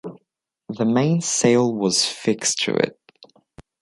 The main sail was fixed to it.